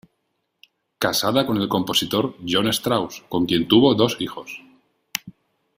Casada con el compositor John Strauss, con quien tuvo dos hijos.